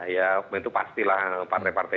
ya itu pastilah partai partai